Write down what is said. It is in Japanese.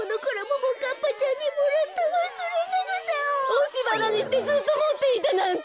おしばなにしてずっともっていたなんて！